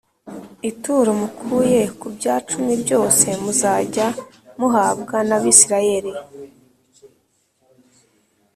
ituro mukuye ku bya cumi byose muzajya muhabwa n Abisirayeli